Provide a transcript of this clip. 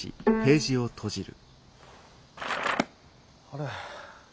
あれ？